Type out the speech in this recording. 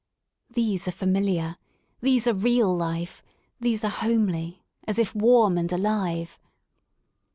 These are familiar, these are real life, these are homely, as if warm and alive.